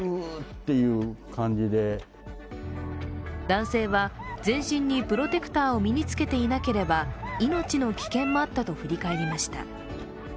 男性は全身にプロテクターを身につけていなければ命の危険もあったと振り返りました。